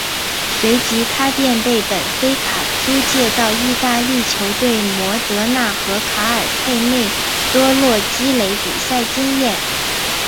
随即他便被本菲卡租借到意大利球队摩德纳和卡尔佩内多洛积累比赛经验。